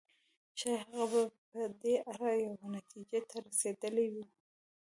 ښايي هغه به په دې اړه یوې نتيجې ته رسېدلی و.